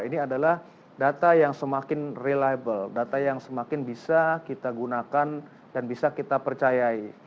ini adalah data yang semakin reliable data yang semakin bisa kita gunakan dan bisa kita percayai